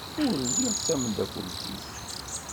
Ur lliɣ d tamdakelt-ik.